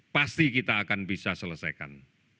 pasti kita akan bisa selesaikan